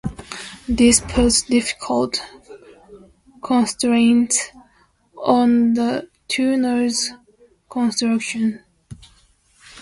This puts difficult constraints on the tuner's construction.